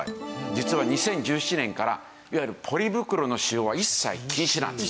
実は２０１７年からいわゆるポリ袋の使用は一切禁止なんです。